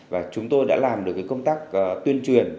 và chúng tôi đã làm được công tác tuyên truyền